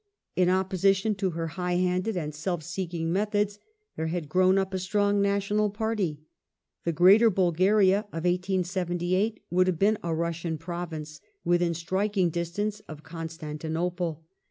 In opposition to her high handed and self seeking methods there had grown up a strong national party. The *' Greater Bulgaria " of 1878 would have been a Russian Province, within striking distance of Con stantinople.